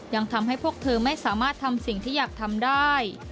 ยังทำให้พวกเธอไม่สามารถทำสิ่งที่อยากทำได้